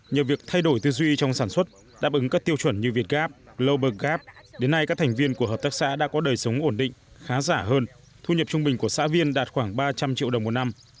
nhờ việc thay đổi tư duy trong sản xuất đáp ứng các tiêu chuẩn như việt gap global gap đến nay các thành viên của hợp tác xã đã có đời sống ổn định khá giả hơn thu nhập trung bình của xã viên đạt khoảng ba trăm linh triệu đồng một năm